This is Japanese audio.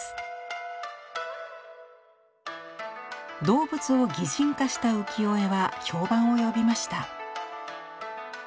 動物を擬人化した浮世絵は評判を呼びました。